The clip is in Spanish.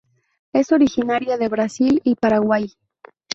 Es originaria de Brasil y Paraguay.